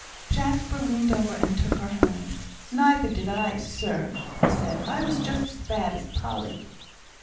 Jasper leaned over, and took her hand. "Neither did I, sir," he said. "I was just as bad as Polly."